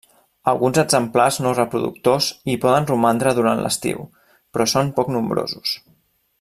Alguns exemplars no reproductors hi poden romandre durant l'estiu, però són poc nombrosos.